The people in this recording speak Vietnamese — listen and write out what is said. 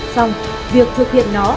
xong việc thực hiện nó